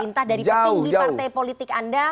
tidak ada perintah dari petinggi partai politik anda